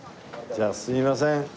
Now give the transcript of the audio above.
じゃあすいません。